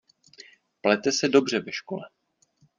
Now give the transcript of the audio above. Plete se dobře ve škole.